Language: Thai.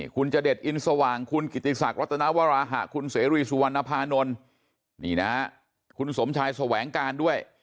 คุณจเดชอินสว่างคุณกิติศักดิรัตนวราหะคุณเสรีสุวรรณภานนท์นี่นะคุณสมชายแสวงการด้วย